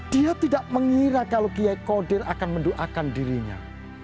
dia tidak mengira kalau kiai kodir akan mendoakan dirinya